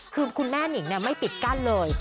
คือคุณแม่นิงไม่ปิดกั้นเลย